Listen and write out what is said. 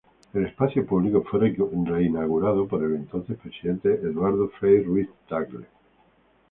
El espacio público fue reinaugurado por el entonces Presidente Eduardo Frei Ruiz-Tagle.